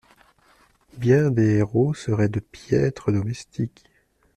Bien des héros seraient de piètres domestiques.